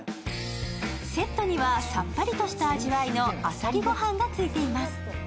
セットにはさっぱりした味わいのあさりご飯がついています。